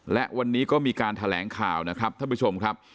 และวันนี้ก็มีการแถลงข่าวนะครับท่านผู้ชมครับ